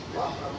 wah pak bu